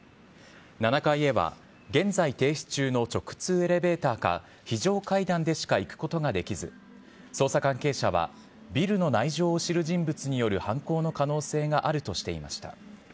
７階では現在停止中の直通エレベーターか、非常階段でしか行くことができず、捜査関係者は、ビルの内情を知る人物による犯行の可能性があるとしていました。